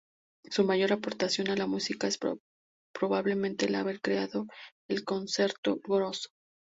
Su mayor aportación a la música es probablemente el haber creado el concerto grosso.